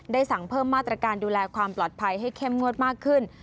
สั่งเพิ่มมาตรการดูแลความปลอดภัยให้เข้มงวดมากขึ้น